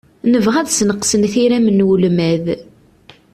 Nebɣa ad sneqsen tiram n ulmad.